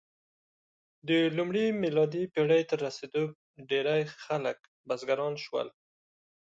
د لومړۍ میلادي پېړۍ تر رسېدو ډېری خلک بزګران شول.